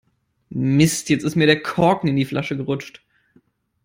Mist, jetzt ist mir der Korken in die Flasche gerutscht.